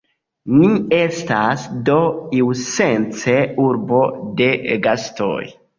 Ni estas, do, iusence urbo de gastoj.